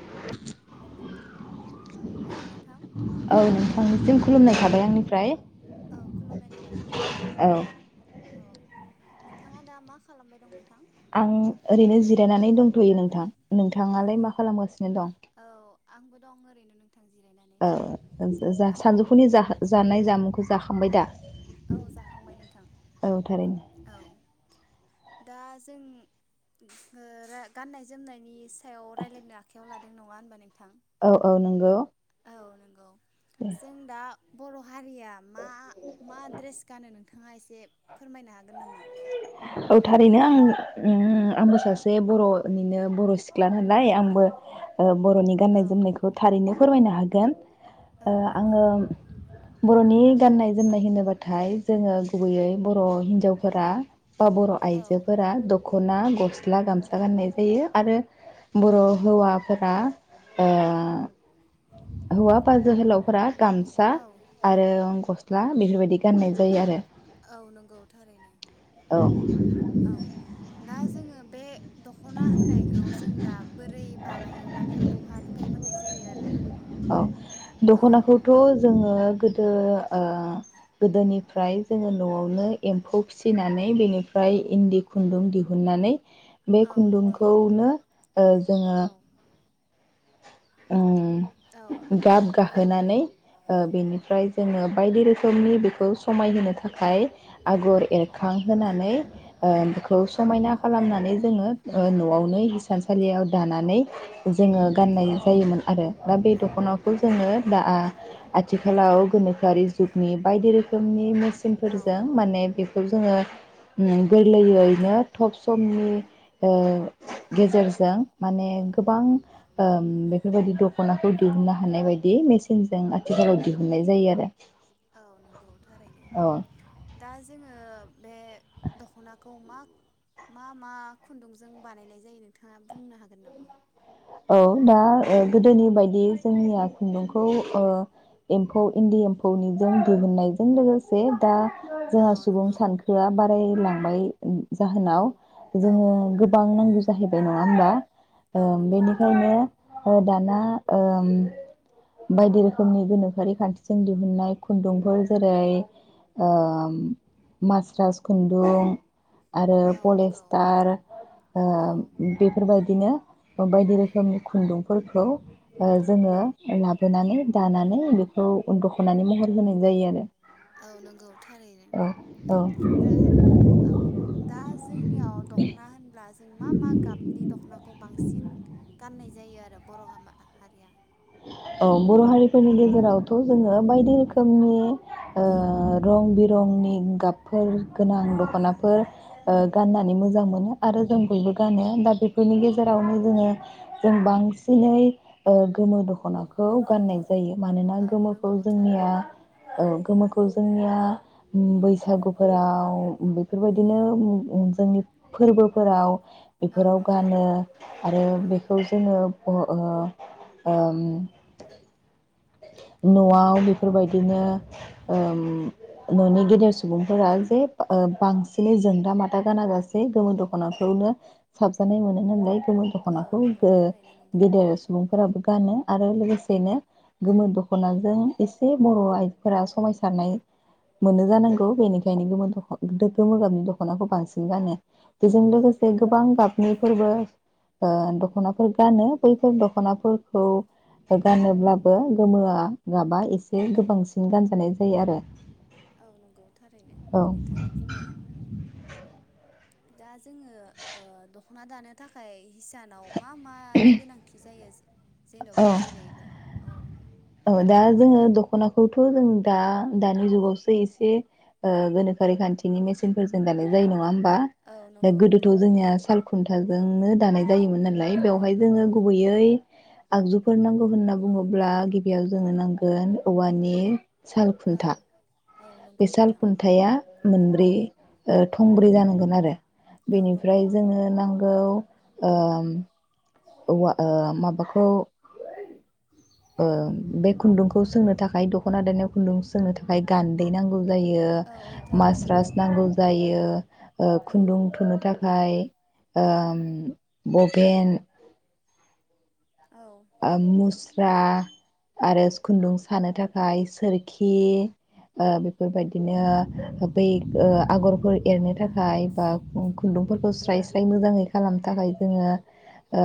[inaudible] Hello नोंथां [unintelligible] औ नोंथांनिसिम खुलुमनाय थाबाय आंनिफ्राय औ खुलुमनाय थाबाय नोंथां [unintelligible] औ औ नोंथाङा दा मा खालामबाय दं नोंथां? आं ओरैनो जिरायनानै दं दंथ'यो नोंथां औ नोंथाङालाय मा खालामगासिनो दं औ आंबो दं ओरैनो नोंथां जिरायनानै औ जा औ औ सानजौफुनि जा-जानाय जामुंखौ जाखांबाय दा औ जाखांबाय नोंथां औ थारैनो औ दा जों ओ गाननाय जोमनायनि सायाव रायलायनो आखायाव ला नङा होनबा नोंथां औ औ नंगौ औ नंगौ जों दा बर' हारिया मा मा ड्रेस गानो नोंथाङा एसे फोरमायनो हा गोन नामा औ थारैनो आं ओम आंबो सासे बर'निनो बर' सिख्ला नालाय आंबो ओ बर'नि गाननाय औ जोमनायखौ थारैनो फोरमायनो हागोन औ ओ नंगौ आङो बर'नि गाननाय जोमनाय होनोबाथाय जोङो गुबैयै बर' हिनजाव फोरा बा बर' औ आइजोफोरा दख'ना गस्ला गामसा गाननाय जायो आरो बर' हौवाफोरा ओ हौवा बा जोहोलावफोरा गामसा औ आरो गस्ला गसला बेफोरबायदि गाननाय जायो आरो औ नंगौ थारैनो औ औ दा जोङो बे दख'ना होननायखौ जों दा बोरै बानायो माने बहानिफ्राय मोननाय जायो आरो औ औ दख'नाखौथ' जोङो गोदो ओ गोदोनिफ्राय जोङो न'आवनो एम्फौ फिसिनानै बेनिफ्राय इन्दि खुनदुं दिहुनन्नानै बे औ नंगौ खुनदुंखौनो ओ जोङो औ औ ओह गाब गाहोनानै ओ बेनिफ्राय जोङो बायदि रोखोमनि बेखौ समायहोनो थाखाय आगर एरखां होनानै बेखौ समायना खालामनानै जोङो न'आवनो हिसानसालियाव दानानै जोङो गाननाय जायोमोन आरो दा बे दख'नाखौ जोङो दा आथिखालाव गोनोखोआरि जुगनि बायदि रोखोमनि औ मिचिंफोरजों माने खौ जोङो गोरलैयैनो थब समनि ओ गेजेरजों माने गोबां ओ बेफोरबायदि दखनाखौ दिहुननो हानाय बायदि मेसिनजों आथिखालाव दिहुननाय जायो आरो औ नंगौ थारैनो औ दा जोङो बे दख'नाखौ मा मा मा खुन्दुंजों बानायनाय जायो नोंथाङा बुंनो हागोन नामा? औ दा गोदोनि बायदि जोंनिया खुन्दुंखौ ओ एम्फौ इन्दि एम्फौनिजों दिहुननायजों लोगोसे दा औ जोंहा सुबुं नंगौ सानखोआ बारा बारायलांबाय जाहोनाव औ जोङो औ गोबां नांगौ जाहैबाय ना [unintelligible] ओ औ नंगौ नोंथां बेनिखायनो ओ दाना ओ बायदि रोखोमनि गोनोखोआरि खान्थिजों दिहुन्नाय खुन्दुंफोर जेरै मास्रास खुन्दुं आरो औ नंगौ पलिस्टार ओ औ बेफोरबायदि बिदिनो बायदि रोखोमनि खुन्दुंफोरखौ जोङो लाबोनानै दानानै बेखौ दख'नानि महर होनाय जायो आरो औ नंगौ थारैनो औ दा औ दा जोंनियाव दख'ना होनब्ला जों मा मा गाबनि दख'नाखौ बांसिन गाननाय जायो आरो बर' हा हारिया औ बर' हारिफोरनि गेजेरावथ' जोङो बायदि रोखोमनि ओ रं बिरंनि गाबफोर गोनां दख'नाफोर ओ गाननानै मोजां मोनो आरो जों बयबो गानो दा बेफोरनि गेजेरावनो जोङो जों बांसिनै गोमो दख दखनाखौ गाननाय जायो मानोना औ गोमोखौ नंगौ जोंनिया थारैनो ओ गोमोखौ औ जोंनिया बैसा बैसागुफोराव बेफोरबायदिनो जोंनि फोरबोफोराव औ बेफोराव नंगौ गानो आरो औ बेखौ जोङो अह‌ ओ ओ न'वाव बेफोरबायदिनो ओ न'नि गेदेर सुबुंफोरा जे बांसिनै जोंदा माथा गाना गासे गोमो दख'नाखौनो साबजानाय मोनो नालाय गोमो औ दख'नाखौ नंगौ थारैनो नंगौ औ गेदेर सुबुंफोराबो गानो आरो लोगोसेनो गोमो दख'नाजों एसे बर' आइजोफोरा समायसारनाय मोनो जानांगौ बेनिखायनो गोमो दखना गोमो गाबनि दख'नाखौ बांसिन गानो बेजों औ लोगोसे नंगौ गोबां नंगौ गाबनि फोरबो ओ दख'ना गानो बैफोर दख'नाफोरखौ गानोब्लाबो गोमोआ गाबा एसे गोबांसिन गानजानाय जायो औ नंगौ थारैनो आरो औ नोंथांनि बुंनाया दा जोङो ओ दखना दानो थाखाय हिसानाव मा मानि गोनांथि जायो? औ जेन'बा जै रैबा औ दा जोङो दख'नाखौथ' जों दा दानि जुगावसो इसे ओ गोनोखोआरि खानथिनि मेसिनफोरजों दानाय जायो नङा होन औ बा नंगौ गोदोथ' नोंथां जोंनिया सालखुन थाजोंनो दानाय जायोमोन नालाय औ बेवहाय जोङो नंगौ गुबैयै आगजुफोर नांगौ होनना बुङोब्ला गि बियाव जोङो नांगोन औवानि औ सालखुन्था औ बे नंगौ साल नोंथां खुन्थाया मोन ब्रै ओ थंब्रै जानांगोन आरो। औ नंगौ बेनिफ्राय जोङो नांगौ ओ औवा ओ माबाखौ ओ बे खुन्दुंखौ सोंनो थाखाय दख'ना दायनायाव खुन्दुं सोंनो थाखाय गान्दै नांगौ। जायो औ औ थारैनो मास्रास नंगौ नांगौ जायो ओ औ खुन्दुं थुननो थाखा ओमफाय ओम बभेन औ ओम मुस स्रा आरो खुन्दुं सानो थाखाय सोरखि ओ बेफोरबायदिनो बै आगरफोर एरनो थाखाय बा खुन्दुंफोरखौ स्राय स्राय मोजाङै खालामनो थाखाय जोङो ओ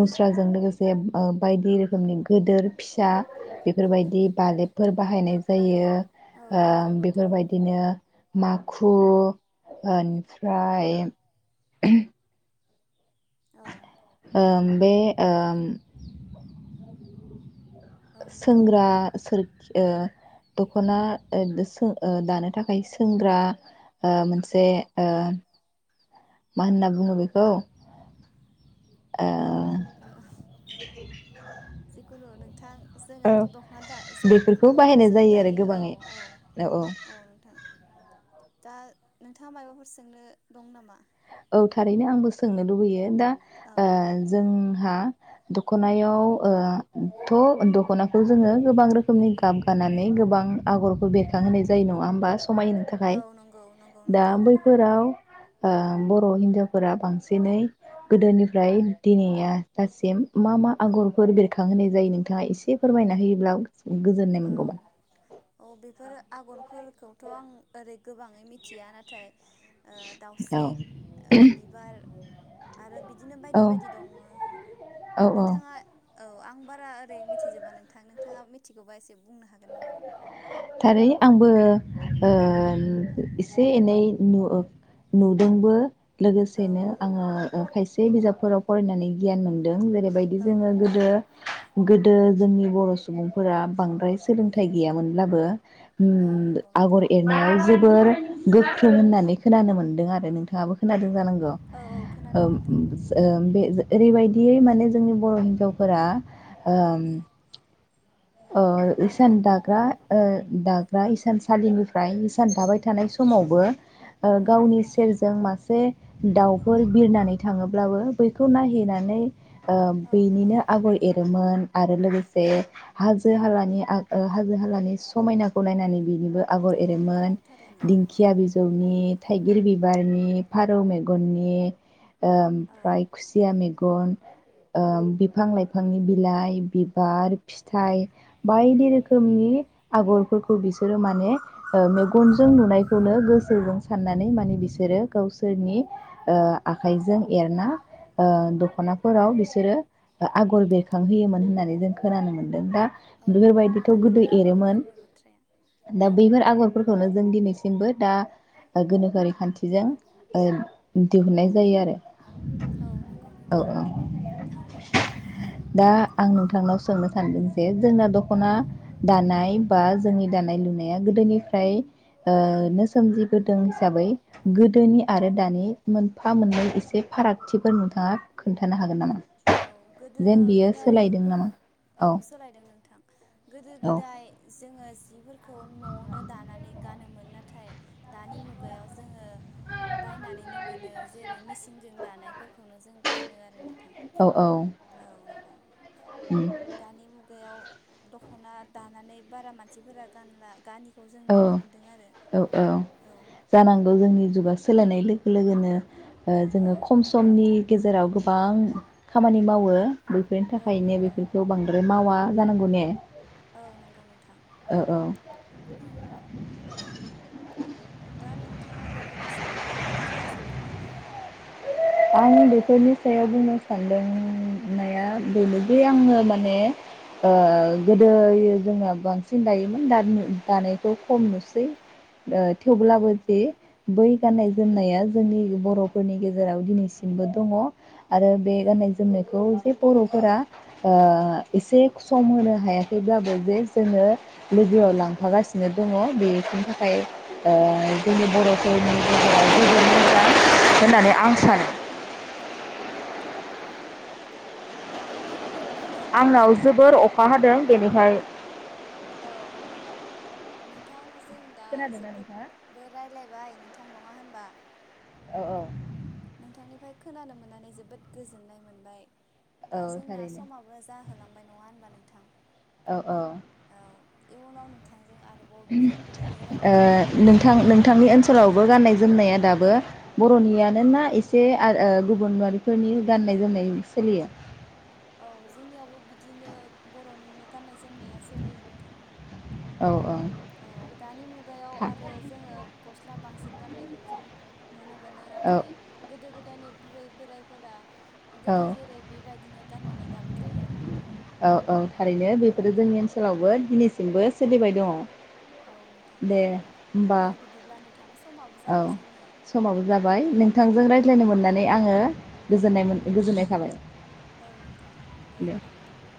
मुस्रा बे जों लोगोसे ओ बायदि रोखोमनि गोदोर फिसा बेफोरबायदि बालेबफोर बाहायनाय जायो। औ ओ नंगौ बेफोर नोंथां बायदिनो मा खु ओमफ्राय औ। ओम बे ओम औ नोंथां सोंग्रा सो ओ दख'ना ओ [unintelligible] दानो थाखाय सोंग्रा ओ मोनसे ओ मा होनना बुङो बेखौ ओ ओ [unintelligible] जिखुनु नोंथां ओ जोंहाथ' दख'ना दा बेफोरखौ दख'नाखौथ' बाहायनाय जों जायो आरो दायो औ गोबाङै औ औ नोंथां। दा नोंथाङा मायबाफोर सोंनो दं नामा? औ थारैनो आंबो सोंनो लुुबैयो दा औ ओ जोंहा दख'नायाव ओ थ' दख'नाखौ जोङो गोबां रोखोमनि गाब गानानै गोबां आगरखौ बेरखांहोनाय जायो नङा होमबा? समायनो थाखाय औ नंगौ नंगौ दा नोंथां नंगौ बैफोराव ओ हिनजावफोरा बांसिनै गोदोनिफ्राय दिनैया लासिम मा मा आगरफोर बेरखांहोनाय जायो नोंथाङा एसे फोरमायना होयोब्ला गोजोननाय औ मोनगौमोन। औ बेफोर आगरफोर खौथ' आं ओरै गोबाङै मिथिया नाथाय ओ दाउस्रि औ बिबार आरो बिदि बिदिनो बायदि औ बायदि दङ औ औ नोंथाङा औ आं बारा ओरै मिथिजोबा नोंथां नोंथाङा मिथि बा एसे बुंनो हागोन? नामा? थारै आंबो एसे एनै नु नुदोंबो। औ लोगोसेनो आङो ओ खायसे बे बिजाबफोराव फरायनानै गियान मोनदों जजेरै जेरै बादि औ जोङो नंगौ गोदो जोंनि बर' सुबुंफोरा बांद्राय सोलों थाइ गैयामोनब्लाबो औ ओम नंगौ नोंथां आगर एरनायाव जोबोर गोख्रों होननानै खोनानो मोन्दों आरो नोंथाङाबो खोनादों जानांगौ औ औ ओ खोनादों नोंथां ओ बे ओरैबायदियै माने जोंनि बर' हिन्जावफोरा ओ ओ औ इसान दाग्रा ओ दाग्रा इसान सालिनिफ्राय इसान दाबाय थानाय समावबो ओ औ गावनि सेरजों मासे दाउफोर बिरनानै थाङोब्लाबो बैखौ नाय [unintelligible] ओ औ नंगौ बेनिनो आगर एरोमोन आरो लोगोसे हाजो हालानि हाजो हालानि समायनाखौ नायनानै बेनिबो आगर औ औ एरोमोन नंगौ थारैनो दिंखिया बिज जौनि थाइगिर बि बारनि फारौ मेगननि ओ औ ओमफ्राय खुसिया मेगन ओ बिफां लाइफांनि बिलाइ बिबार फिथ थाइ बायदि रोखोमनि आगरफोरखौ बिसोरो माने ओ मेगनजों नुनायखौनो गोसोजों साननानै माने बिसोरो गावसोरनि ओ आखाइजों एरना ओ दख'नाफोराव बिसोरो आगर बेरखांहोयोमोन होननानै जों खोनानो मोन दा औ नंगौ बेफोरबायदिथ नोंथां गोदो थारैनो नों एरोमोन बुंनाय बाथ्राया औ दा बैफोर आगरफोरखौनो जों दिनैसिमबो दा गोनोखोआरि खान्थि बिजों ओ दिहुननाय जायो आरो औ नंगौ औ नोंथां औ औ औ दा आं नोंथांनाव सोंनो जे जोंना दख'ना औ दानाय बा जोंनि दानाय लुनाया गोदोनि फ्राय ओ सोमजिबोदों हिसाबै गोदोनि औ आरो दानि मोनफा मोननै इ से फारागथिफोर नोंथाङा खोन्थानो हागोन नामा? औ गोदो जेन बियो गोदाय सोलायदों नामा? औ सोलायदों नोंथां गोदो औ गोदाय जोङो जिफोरखौ न'आवनो दानानै गानोमोन नाथाय दानि मुगायाव जोङो बायनानैनो मोनो जेरै मेसिनजों दानायफोरखौनो जों गानो आरो नोंथाङा औ नंगौ उम दानि मुगायाव दख'ना दानानै बारा मानसिफोरा गानला गानिखौ जों औ नुनो मोनदों आरो औ औ जानांगौ जोंनि जुगा सोलायनाय लो लोगोनो ओ औ जोङो खम समनि गेजेराव गो बां खामानि मावो। बेफोरनि औ थाखायनो नंगौ बेफोरखौ बांद्राय मावा जानांगौ ने औ नंगौ नोंथां औ औ औ दा नोंथाङा बेफोरनि सायाव माबाफोर बुंनो सानगोन नामा? आं बेफोरनि सायाव बुंनो सानदोंनाया बेनोदि आङो माने गोदो जोंना बांसिन दायोमोन दानायखौ खम नुसै औ थेवब्लाबो जे नंगौ बै गाननाय जोननाया जोंनि बर'फोरनि गेजेराव दिनैसिमबो दङ आरो बे औ गाननाय जोमनायखौ जे बर'फोरा ओ एसे सम होनो हायाखैब्लाबो जे जोङो लोगोआव लांफागासिनो दङ बेफोरनि ओ थाखाय जोंनि बर'फोरनि गेजेर जोबोद मोजां होननानै आं सानो औ नंगौ नोंथां दा नोंथां जोंथ' जोबोद आंनाव गोबां जोबोर अखा हादों बेनिखाय औ नोंथां जों दा खोनादोंना नोंथाङा? जोबोदबो रायलायबाय नों थां नङा होनबा? औ औ नोंथांनिफ्राय खोनानो मोननानै जोबोद गोजोननाय मोनबाय औ दा जोंनिया थारैनो समाबो जाहोलांबाय नङा होनबा नों थां औ औ इयुनाव नोंथां जों आर [unintelligible] ओ नोंथां होननानै नोंथांनि ओनसोलावबो मिजिं गाननाय-जोमनाया दाबो औ बर'नियानोना इसे [unintelligible] गुबुन फोरनि गाननाय-जोमनाय सोलियो औ जोंनियावबो बिदिनो बर'निनो गाननाय-जोमनाय जोमनाया सोलियो नोंथां औ औ औ दानि मुगायाव था आरो जोङो गस दा बांसिन गाननायखौ जों नुनो मोनो औ नाथाय गोदो गोदा गोदायनि बुरै बोरायफोरा औ गोदो जेरै बेबायदिनो गाननानै दाबो थायो आरो नोंथां औ औ थारैनो औ बेफोरो जोंनि ओनसोलावबो दिनैसिमबो सोलिबाय औ नोंथां दङ' दे होमबा दे बिदिब्ला नोंथां समाबो औ जाबाय जोंनिया समाबो जाबाय नोंथांजों औ रायज्लायनो मोननानै आङो गोजोननाय मोन गोजोननाय थाबाय। औ नोंथां दे होनबा बिदिब्ला